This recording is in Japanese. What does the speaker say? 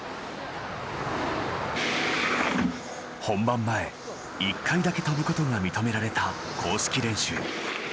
本番前１回だけ飛ぶことが認められた公式練習。